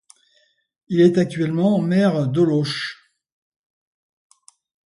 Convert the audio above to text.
Il est actuellement maire d'Allauch.